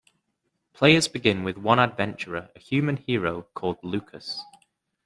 Players begin with one adventurer, a human hero called Lukas.